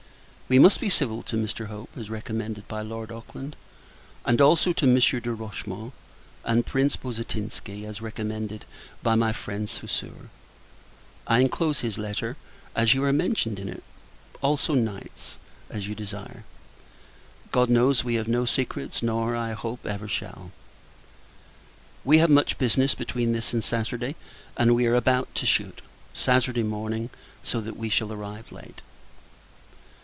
We must be civil to Mr. Hope, as recommended by Lord Auckland; and also to Monsieur de Rochement, and Prince Bozatinsky, as recommended by my friend Saussure. I inclose his letter, as you are mentioned in it; also Knight's, as you desire. God knows, we have no secrets; nor, I hope, ever shall. We have much business between this and Saturday: and we are to shoot, Saturday morning; so that we shall arrive late.